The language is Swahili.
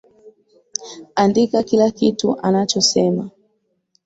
Andika kila kitu anachosema.